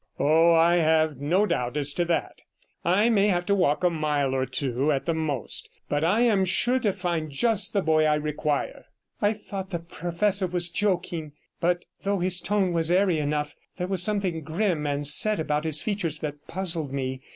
'Oh, I have no doubt as to that. I may have to walk a mile or two at the most, but I am sure to find just the boy I require.' 58 I thought the professor was joking, but, though his tone was airy enough, there was something grim and set about his features that puzzled me.